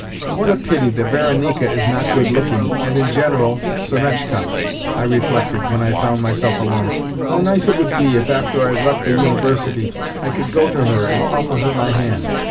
"What a pity that Varenika is not good looking and, in general, Sonetchka!" I reflected when I found myself alone. "How nice it would be if, after I have left the University, I could go to her and offer her my hand!